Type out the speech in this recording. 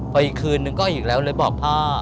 พออีกคืนนึงก็อีกแล้วเลยบอกพ่อ